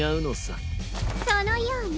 そのようね。